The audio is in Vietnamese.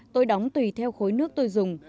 tôi đóng tùy theo khối nước tôi dùng